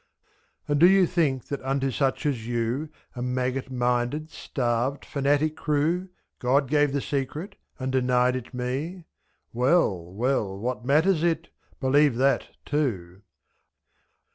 And do you think that unto such as you, A maggot minded, starved, fanatic crew, $5.God gave the Secret, and denied it me? — Well, well, what matters it ! believe that too.